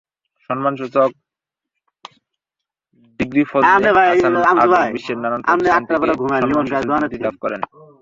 সম্মানসূচক ডিগ্রিফজলে হাসান আবেদ বিশ্বের নানা প্রতিষ্ঠান থেকে সম্মানসূচক ডিগ্রি লাভ করেন।